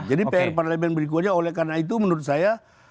jadi pr parlemen berikutnya oleh karena itu menurut saya